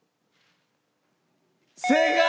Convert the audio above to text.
正解！